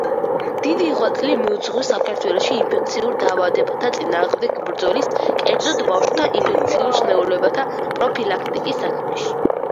დიდი ღვაწლი მიუძღვის საქართველოში ინფექციურ დაავადებათა წინააღმდეგ ბრძოლის, კერძოდ, ბავშვთა ინფექციურ სნეულებათა პროფილაქტიკის საქმეში.